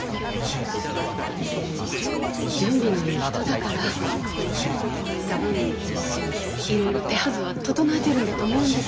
あれで準備のいい人だから多分いろいろ手はずは整えてるんだと思うんです。